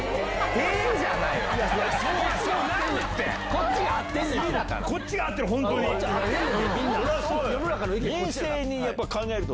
こっちが合ってる。